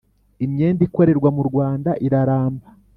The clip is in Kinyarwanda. imyenda ikorerwa mu Rwanda iraramba